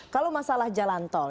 kalau masalah jalan tol